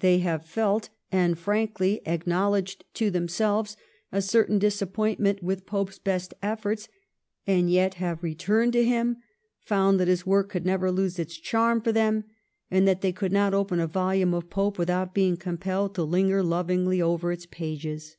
They have felt and frankly acknowledged to themselves a certain disappointment with Pope's best efibrts, and yet have returned to him, found that his work could never lose its charm for them, and that they could not open a volume of Pope without being compelled to linger lovingly over its pages.